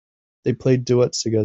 They play duets together.